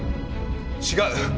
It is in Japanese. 違う！